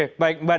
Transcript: satu lagi itu ada